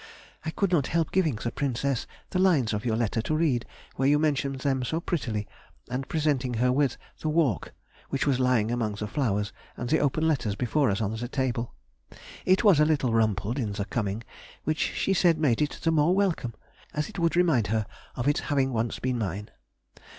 I could not help giving the Princess the lines of your letter to read, where you mention them so prettily, and presenting her with "The Walk," which was lying among the flowers and the open letters before us on the table. It was a little rumpled in the coming, which she said made it the more welcome, as it would remind her of its having once been mine.